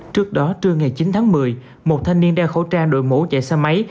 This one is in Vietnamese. trước đó trưa ngày chín tháng một mươi một thanh niên đeo khẩu trang đội mũ chạy xe máy